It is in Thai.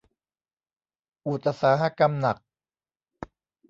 อุตสาหกรรมหนัก